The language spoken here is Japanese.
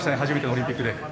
初めてのオリンピックで。